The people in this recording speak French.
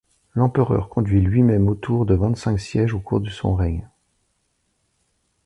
L'empereur conduit lui-même autour de vingt-cinq sièges au cours de son règne.